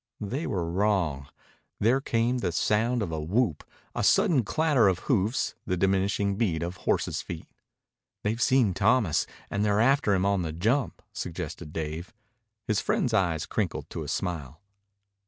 They were wrong. There came the sound of a whoop, a sudden clatter of hoofs, the diminishing beat of horses' feet. "They've seen Thomas, and they're after him on the jump," suggested Dave. His friend's eyes crinkled to a smile.